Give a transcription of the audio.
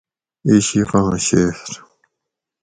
عشقاں شعر: